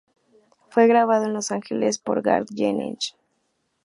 Fue grabado en Los Ángeles por Garth Jennings.